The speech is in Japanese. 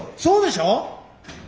そうでしょ！？